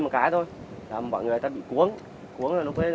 cái loại này bắt được về ăn